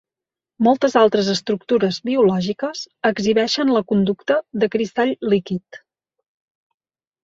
Moltes altres estructures biològiques exhibeixen la conducta de cristall líquid.